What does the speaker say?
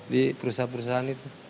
di perusahaan perusahaan itu